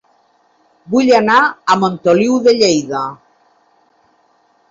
Vull anar a Montoliu de Lleida